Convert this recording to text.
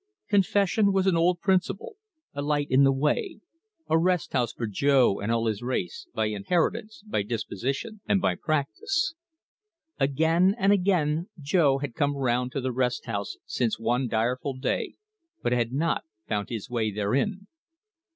Confession was an old principle, a light in the way, a rest house for Jo and all his race, by inheritance, by disposition, and by practice. Again and again Jo had come round to the rest house since one direful day, but had not, found his way therein.